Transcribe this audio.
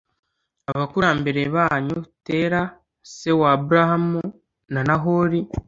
abakurambere banyu, tera, se wa abrahamu na nahori